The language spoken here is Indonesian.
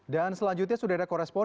dan selanjutnya sudah ada koresponan